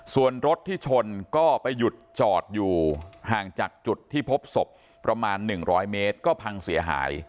ส่วนรถที่ชนก็ไปหยุดจอดอยู่ห่างจากจุดที่พบศพประมาณ๑๐๐เมตรก็พังเสียหาย